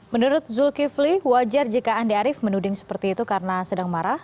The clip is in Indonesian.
menurut zulkifli wajar jika andi arief menuding seperti itu karena sedang marah